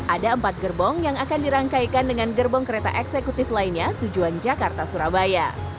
ada empat gerbong yang akan dirangkaikan dengan gerbong kereta eksekutif lainnya tujuan jakarta surabaya